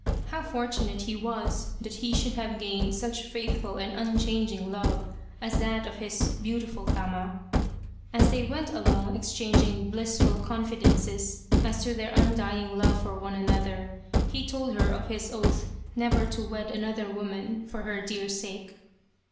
How fortunate he was that he should have gained such faithful and un changing love as that of his beautiful Tama. As they went along exchanging blissful confidences as to their undying love for one another, he told her of his oath never to wed another woman for her dear sake.